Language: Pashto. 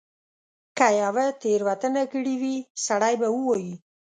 که یوه تیره وتنه کړې وي سړی به ووایي.